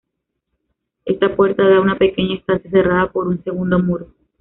Esta puerta da a una pequeña estancia cerrada por un segundo muro.